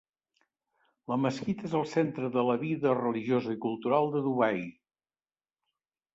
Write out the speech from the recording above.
La mesquita és el centre de la vida religiosa i cultural de Dubai.